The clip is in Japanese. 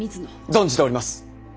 存じております！